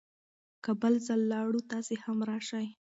که بل ځل لاړو، تاسې هم راشئ.